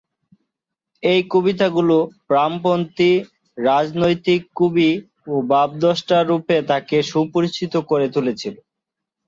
এই কবিতাগুলি বামপন্থী রাজনৈতিক কবি ও ভাবদ্রষ্টা-রূপে তাকে সুপরিচিত করে তুলেছিল।